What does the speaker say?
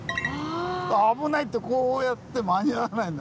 「危ない！」とこうやって間に合わないんだ。